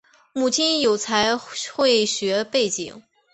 母亲有财会学背景。